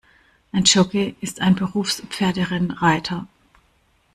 Ein Jockey ist ein Berufs-Pferderennreiter.